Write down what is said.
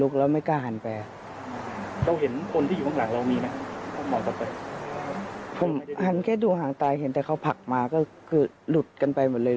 หันแค่ดูห่างตายเห็นแต่เขาผลักมาก็คือหลุดกันไปหมดเลย